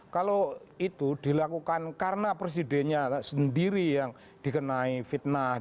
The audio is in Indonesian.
kalau itu dilakukan karena presidennya sendiri yang dikenai fitnah